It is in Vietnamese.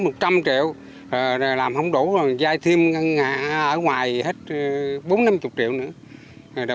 ngân hàng hết một trăm linh triệu làm không đủ rồi dài thêm ở ngoài hết bốn mươi năm mươi triệu nữa